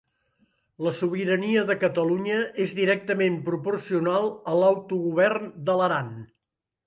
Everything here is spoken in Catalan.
La sobirania de Catalunya és directament proporcional a l'autogovern de l'Aran.